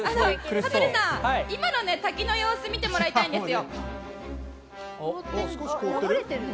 羽鳥さん、今の滝の様子見てもらいたいんですよ。